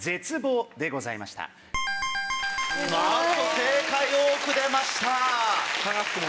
あっと正解多く出ました。